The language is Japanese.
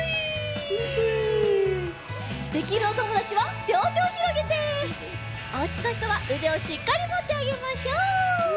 できるおともだちはりょうてをひろげておうちのひとはうでをしっかりもってあげましょう。